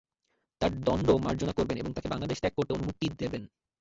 তাঁর দণ্ড মার্জনা করবেন এবং তাঁকে বাংলাদেশ ত্যাগ করতে অনুমতি দেবেন।